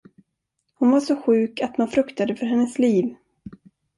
Hon var så sjuk, att man fruktade för hennes liv.